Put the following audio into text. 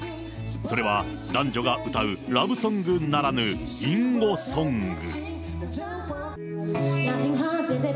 それは男女が歌うラブソングならぬ、隠語ソング。